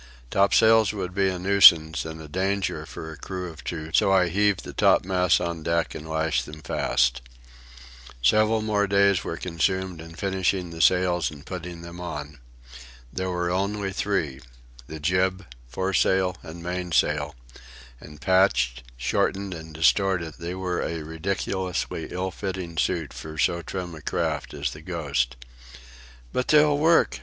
Topsails would be a nuisance and a danger for a crew of two, so I heaved the topmasts on deck and lashed them fast. Several more days were consumed in finishing the sails and putting them on. There were only three—the jib, foresail, and mainsail; and, patched, shortened, and distorted, they were a ridiculously ill fitting suit for so trim a craft as the Ghost. "But they'll work!"